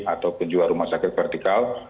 ataupun juga rumah sakit vertikal